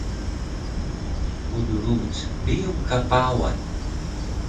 Mdrumuc riyung ka Pawan